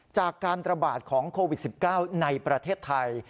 จากการระบาดของโควิด๑๙ในประเทศไทย